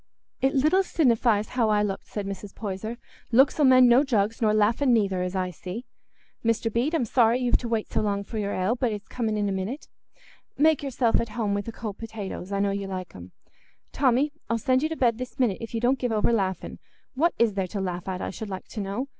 "It little sinnifies how I looked," said Mrs. Poyser; "looks 'ull mend no jugs, nor laughing neither, as I see. Mr. Bede, I'm sorry you've to wait so long for your ale, but it's coming in a minute. Make yourself at home wi' th' cold potatoes: I know you like 'em. Tommy, I'll send you to bed this minute, if you don't give over laughing. What is there to laugh at, I should like to know?